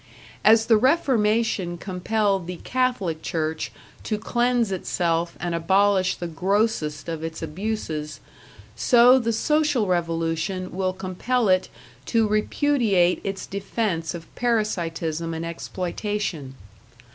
As the Reformation compelled the Catholic Church to cleanse itself and abolish the grossest of its abuses, so the Social Revolution will compel it to repudiate its defense of parasitism and exploitation.